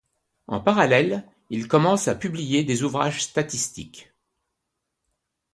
En parallèle, il commence à publier des ouvrages statistiques.